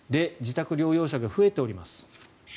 自宅療養者が増えております。